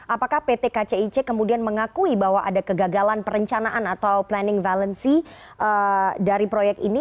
apakah pt kcic kemudian mengakui bahwa ada kegagalan perencanaan atau planning valenci dari proyek ini